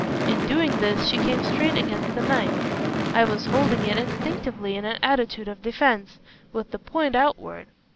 In doing this she came straight against the knife. I was holding it instinctively in an attitude of defence, with the point outward.